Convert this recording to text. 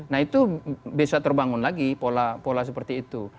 nah itu bisa terbangun lagi pola pola seperti itu